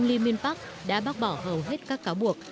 ông lee myung pak đã bác bỏ hầu hết các cáo buộc